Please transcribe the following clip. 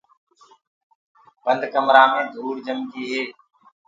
بند ڪمرآ مي ڌوُڙ جِم گي۔